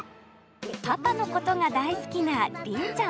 パパのことが大好きな凛ちゃん。